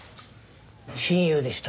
親友でした。